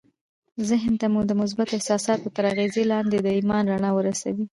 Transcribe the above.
ذهن ته مو د مثبتو احساساتو تر اغېز لاندې د ايمان رڼا ورسوئ.